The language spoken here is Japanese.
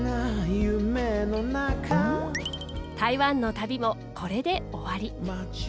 台湾の旅もこれで終わり。